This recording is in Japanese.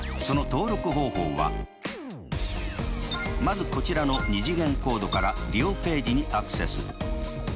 その登録方法はまずこちらの２次元コードから利用ページにアクセス。